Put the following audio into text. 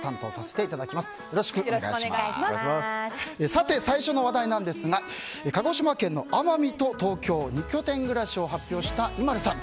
さて、最初の話題なんですが鹿児島県の奄美と東京２拠点暮らしを発表したＩＭＡＬＵさん。